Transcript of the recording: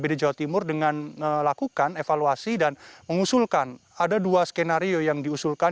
bd jawa timur dengan melakukan evaluasi dan mengusulkan ada dua skenario yang diusulkan